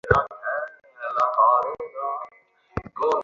সত্য কাহারও একার সম্পত্তি নয়।